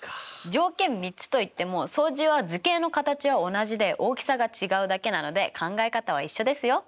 条件３つといっても相似は図形の形は同じで大きさが違うだけなので考え方は一緒ですよ。